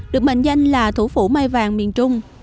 được mệnh danh là thủ phủ mai vàng miền trung